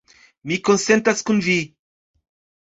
Mi konsentas kun vi